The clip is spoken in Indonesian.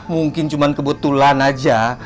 mungkin cuma kebetulan aja